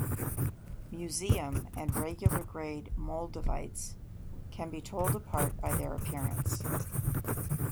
Museum and regular grade moldavites can be told apart by their appearance.